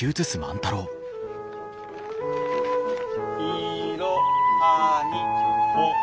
「いろはにほへと」。